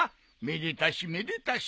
めでたしめでたし。